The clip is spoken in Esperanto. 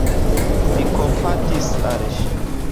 Mi kompatis al ŝi.